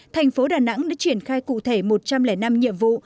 thành phố đà nẵng đã triển khai cụ thể một trăm linh năm nhiệm vụ